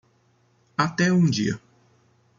Até um dia